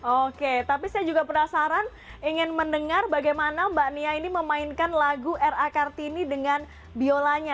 oke tapi saya juga penasaran ingin mendengar bagaimana mbak nia ini memainkan lagu r a kartini dengan biolanya